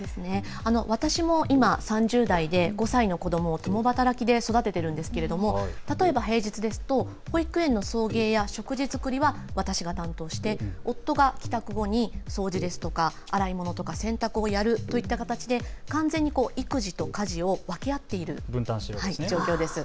私も今３０代で５歳の子どもを共働きで育てているんですけれども例えば平日ですと保育園の送迎や食事作りは私が担当して夫が帰宅後に掃除ですとか洗い物、洗濯物をやるといった形で完全に育児と家事を分け合っている状況です。